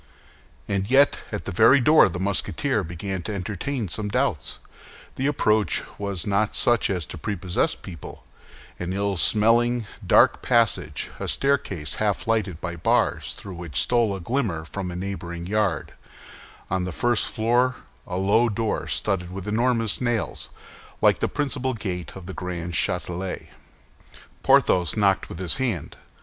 And yet, at the very door the Musketeer began to entertain some doubts. The approach was not such as to prepossess people—an ill smelling, dark passage, a staircase half lighted by bars through which stole a glimmer from a neighboring yard; on the first floor a low door studded with enormous nails, like the principal gate of the Grand Châtelet. Porthos knocked with his hand.